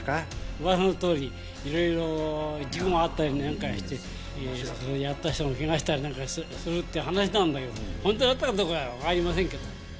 うわさのとおり、いろいろ事故があったりなんかして、やった人がけがしたりするっていう話なんだけど、本当かどうかは分かりませんけども。